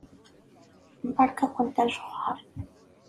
Beṛka-kent ajexxeṛ.